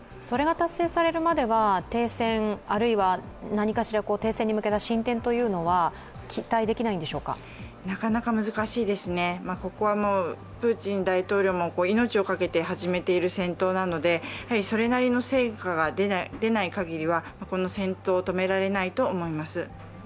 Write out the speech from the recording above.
それが達成されるまでは停戦あるいは何かしら停戦への進展というのはなかなか難しいですね、ここはプーチン大統領も命をかけて始めている戦闘なのでそれなりの成果が出ないかぎりは、この戦闘は止められないと思います。